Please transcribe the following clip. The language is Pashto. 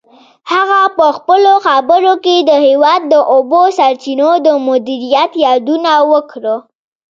هغه په خپلو خبرو کې د هېواد د اوبو سرچینو د مدیریت یادونه وکړه.